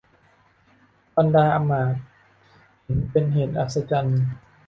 บรรดาอำมาตย์เห็นเป็นเหตุอัศจรรย์